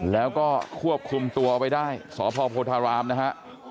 แล้วก็ควบคุมตัวไว้ได้สพโพธารามนะฮะ